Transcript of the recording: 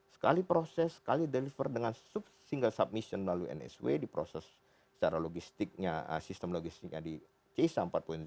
sekali proses sekali deliver dengan single submission melalui nsw diproses secara logistiknya sistem logistiknya di cesa empat